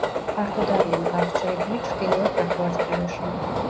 ფართოდ არიან გავრცელებული ჩრდილოეთ ნახევარსფეროში.